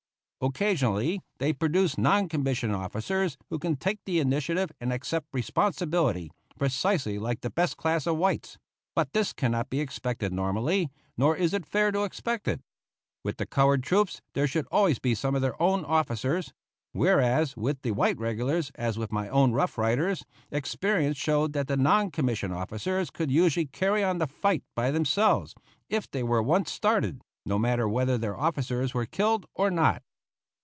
Occasionally they produce non commissioned officers who can take the initiative and accept responsibility precisely like the best class of whites; but this cannot be expected normally, nor is it fair to expect it. With the colored troops there should always be some of their own officers; whereas, with the white regulars, as with my own Rough Riders, experience showed that the non commissioned officers could usually carry on the fight by themselves if they were once started, no matter whether their officers were killed or not.